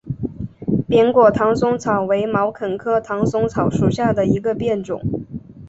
扁果唐松草为毛茛科唐松草属下的一个变种。